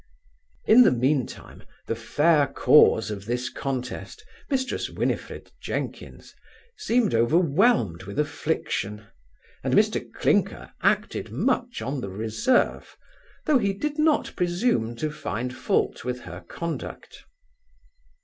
In the mean time, the fair cause of this contest, Mrs Winifred Jenkins, seemed overwhelmed with affliction, and Mr Clinker acted much on the reserve, though he did not presume to find fault with her conduct.